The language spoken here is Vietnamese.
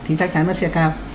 thì chắc chắn nó sẽ cao